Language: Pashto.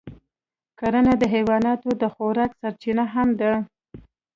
کرنه د حیواناتو د خوراک سرچینه هم ده.